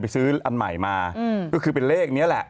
ซื้ออันใหม่มาก็คือเป็นเลขนี้แหละ